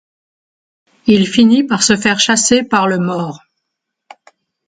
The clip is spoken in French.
Il finit par se faire chasser par le Maure.